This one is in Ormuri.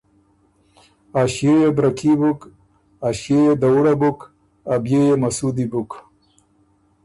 ا ݭيې يې بره کي بُک، ا ݭيې يې دَوُړه بُک، ا بيې يې مسُودی بُک،